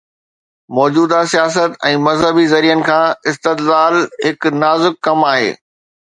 موجوده سياست ۾ مذهبي ذريعن کان استدلال هڪ نازڪ ڪم آهي.